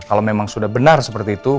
kalau memang sudah benar seperti itu